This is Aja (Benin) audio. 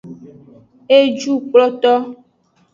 Ejukploto.